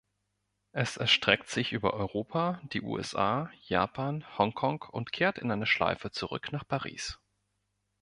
Es erstreckt sich über Europa, die USA, Japan, Hongkong und kehrt in einer Schleife zurück nach Paris.